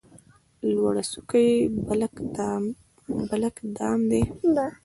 لوړه څوکه یې بلک دام ده.